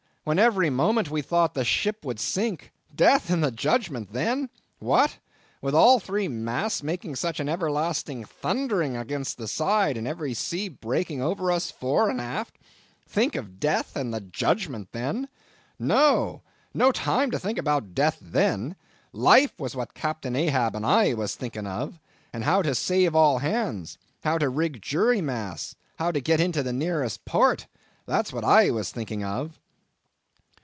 When every moment we thought the ship would sink! Death and the Judgment then? What? With all three masts making such an everlasting thundering against the side; and every sea breaking over us, fore and aft. Think of Death and the Judgment then? No! no time to think about Death then. Life was what Captain Ahab and I was thinking of; and how to save all hands—how to rig jury masts—how to get into the nearest port; that was what I was thinking of."